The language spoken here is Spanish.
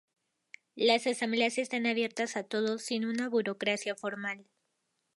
Las asambleas están abiertas a todos, sin una burocracia formal.